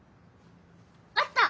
あった！